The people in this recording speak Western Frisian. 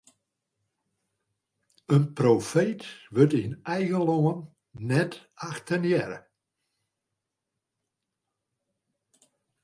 In profeet wurdt yn eigen lân net achtenearre.